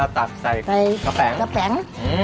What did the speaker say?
ตักใส่กะแป๋ง